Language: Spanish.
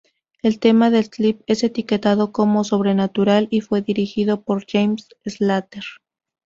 El tema del clip es etiquetado como "sobrenatural" y fue dirigido por James Slater.